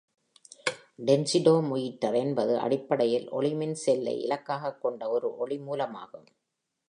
Densitometer என்பது அடிப்படையில் ஒளிமின் செல்லை இலக்காகக் கொண்ட ஒரு ஒளி மூலமாகும்.